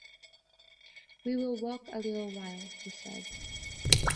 “We will walk a little while,” he said.